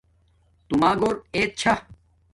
توما گھور ایت چھا